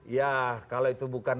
ya kalau itu bukan